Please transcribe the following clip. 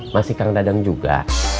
masih kang dadang juga